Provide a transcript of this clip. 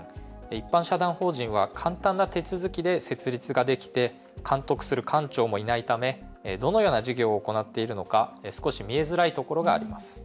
一般社団法人は簡単な手続きで設立ができて監督する官庁もいないためどのような事業を行っているのか少し見えづらいところがあります。